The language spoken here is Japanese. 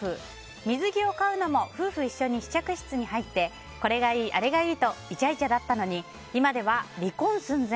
水着を買うのも夫婦一緒に試着室に入ってこれがいい、あれがいいとイチャイチャだったのに今では離婚寸前。